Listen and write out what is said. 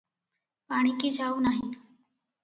ପାଣିକି ଯାଉ ନାହିଁ ।